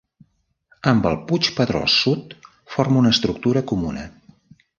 Amb el Puig Pedrós Sud forma una estructura comuna.